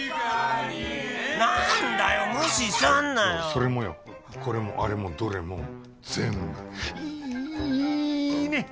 それもよこれもあれもどれも全部イイイーネッ！